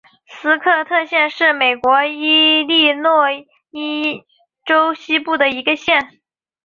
斯科特县是美国伊利诺伊州西部的一个县。